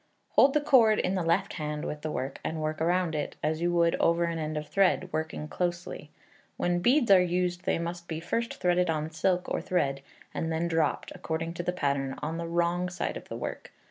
Hold the cord in the left hand with the work, and work round it, as you would over an end of thread, working closely. When beads are used they must be first threaded on silk or thread, and then dropped, according to the pattern, on the wrong side of the work.